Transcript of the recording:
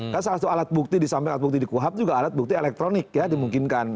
karena salah satu alat bukti di kuhap juga alat bukti elektronik ya dimungkinkan